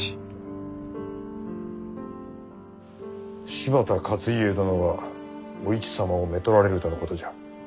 柴田勝家殿がお市様をめとられるとのことじゃ。